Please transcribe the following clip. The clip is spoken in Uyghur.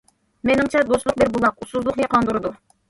مېنىڭچە، دوستلۇق بىر بۇلاق، ئۇسسۇزلۇقنى قاندۇرىدۇ.